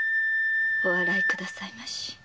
お笑いくださいまし